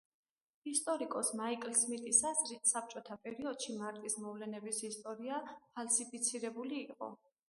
ისტორიკოს მაიკლ სმიტის აზრით საბჭოთა პერიოდში მარტის მოვლენების ისტორია ფალსიფიცირებული იყო.